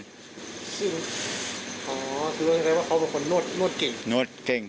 อ๋อคือเรียกได้ว่าเขาเป็นคนนวดเก่ง